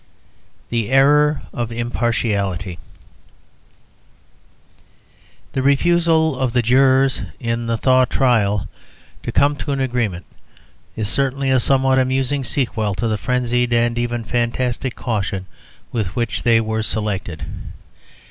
THE ERROR OF IMPARTIALITY The refusal of the jurors in the Thaw trial to come to an agreement is certainly a somewhat amusing sequel to the frenzied and even fantastic caution with which they were selected.